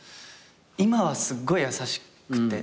今はすっごい優しくて。